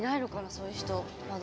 そういう人まだ。